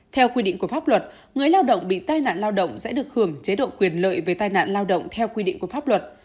theo quy định của pháp luật người lao động bị tai nạn lao động sẽ được hưởng chế độ quyền lợi về tai nạn lao động theo quy định của pháp luật